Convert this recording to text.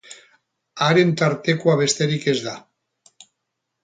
Haren tartekoa besterik ez da.